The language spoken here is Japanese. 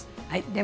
はい。